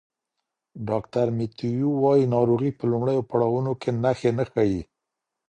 ډاکټر میتیو وايي ناروغي په لومړیو پړاوونو کې نښې نه ښيي.